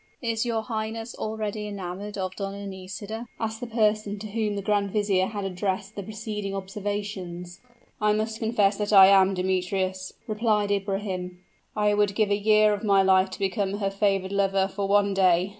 "Is your highness already enamored of Donna Nisida?" asked the person to whom the grand vizier had addressed the preceding observations. "I must confess that I am, Demetrius," replied Ibrahim; "I would give a year of my life to become her favored lover for one day.